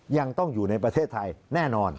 ยังต้องอยู่ในประเทศไทยแน่นอน